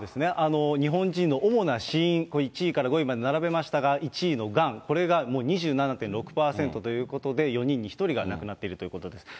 日本人の主な死因、これ１位から５位まで並べましたが、１位のがん、これが２７．５％ということで、４人に１人が亡くなっているということです。